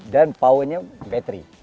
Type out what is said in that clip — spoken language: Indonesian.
dan powernya bateri